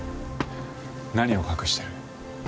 何を隠してる？